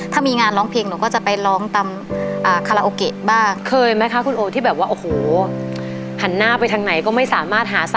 ถ้ามีงานร้องเพลงหนูก็จะไปร้องตาม